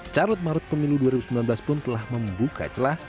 carut marut pemilu dua ribu sembilan belas pun telah membuka celah